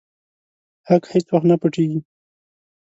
حق هيڅ وخت نه پټيږي.